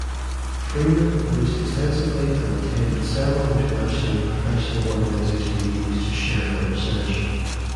Freeman published extensively and attended several international professional organization meetings to share her research.